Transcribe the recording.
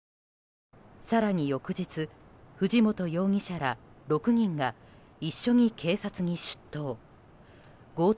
更に翌日、藤本容疑者ら６人が一緒に警察に出頭。